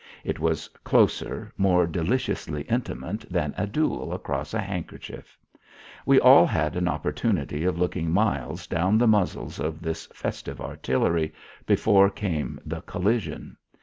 It was closer, more deliciously intimate than a duel across a handkerchief. We all had an opportunity of looking miles down the muzzles of this festive artillery before came the collision.